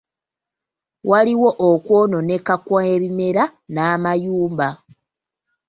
Waaliwo okwonooneka kw'ebimera n'amayumba.